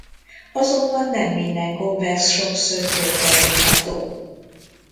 Azonban nem minden konvex sokszög körbe írható.